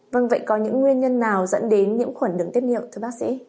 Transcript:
vâng vậy có những nguyên nhân nào dẫn đến nhiễm khuẩn đường tiết niệu thưa bác sĩ